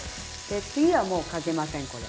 次はもうかけませんこれ。